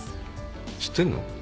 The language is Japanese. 知ってんの？